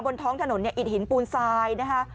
บนท้องถนนเนี่ยอิดหินปูนทรายนะคะ